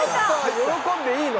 喜んでいいの？